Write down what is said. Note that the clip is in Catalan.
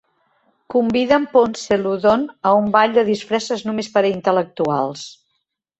Conviden Ponceludon a un ball de disfresses només per a intel·lectuals.